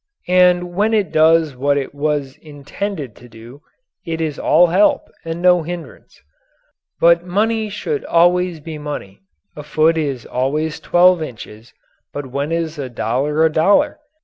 And when it does what it was intended to do, it is all help and no hindrance. But money should always be money. A foot is always twelve inches, but when is a dollar a dollar?